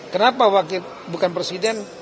kenapa wakil bukan presiden